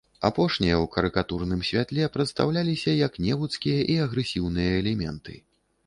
Апошнія ў карыкатурным святле прадстаўляліся як невуцкія і агрэсіўныя элементы.